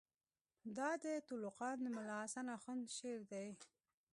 دا د تُلُقان د ملاحسن آخوند شعر دئ.